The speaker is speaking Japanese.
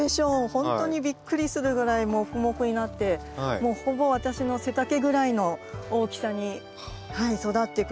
本当にびっくりするぐらいモフモフになってもうほぼ私の背丈ぐらいの大きさに育ってくれました。